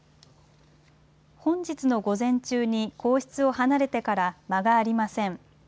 本日の午前中に、皇室を離れてから間がありません。